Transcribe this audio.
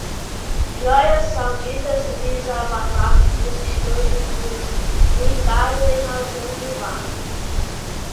Joias sauditas visa abafar os estojos do blindado em razão do embargo